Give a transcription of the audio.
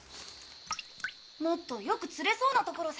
もっとよく釣れそうな所を探そう。